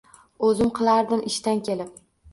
O`zim qilardim, ishdan kelib